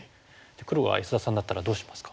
黒は安田さんだったらどうしますか？